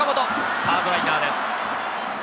サードライナーです！